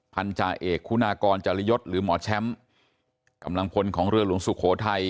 พันธาเอกคุณากรจริยศหรือหมอแชมป์กำลังพลของเรือหลวงสุโขทัย